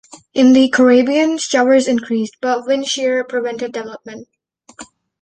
In the Caribbean, showers increased, but wind shear prevented development.